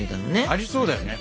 ありそうだよね。